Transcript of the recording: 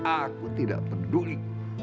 aku tidak peduli